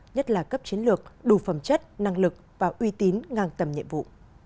nhất là cấp chiến lược đủ phẩm chất năng lực và uy tín ngang tầm nhiệm vụ